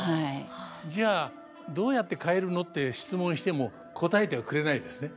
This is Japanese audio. じゃあどうやって変えるのって質問しても答えてはくれないですね。